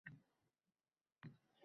Bu bebosh kelinni qanday tarbiya qilay